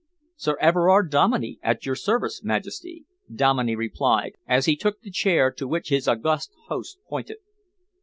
"Sir Everard Dominey, at your service, Majesty," Dominey replied, as he took the chair to which his august host pointed.